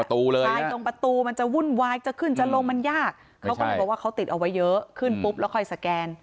ตายตรงประตูมันจะวุ่นวายจะขึ้นจะลงมันยากเขาก็เลยบอกว่าเขาติดเอาไว้เยอะขึ้นปุ๊บแล้วค่อยสแกน